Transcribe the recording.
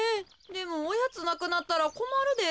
でもおやつなくなったらこまるで。